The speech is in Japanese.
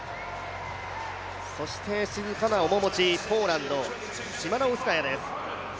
そして静かな面持ち、ポーランド、チマノウスカヤです。